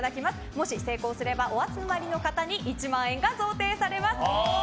もし成功すればお集まりの方に１万円が贈呈されます。